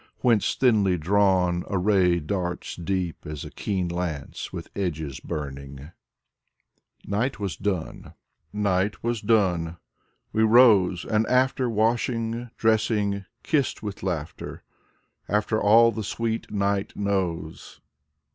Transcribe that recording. Whence, thinly drawn, a ray darts deep As a keen lance with edges burning. I20 Mikhail Kuzmin " NIGHT WAS DONE " Night was done. Wc rose and after Washing, dressing, — ^kissed with laughter, After all the sweet night knows.